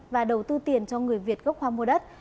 và đầu tư tiền cho người việt gốc hoa mua đất